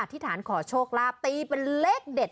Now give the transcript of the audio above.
ที่ฐานขอโชคลาภตีเป็นเลขเด็ด